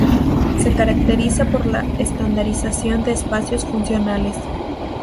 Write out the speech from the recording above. Se caracteriza por la estandarización de espacios funcionales.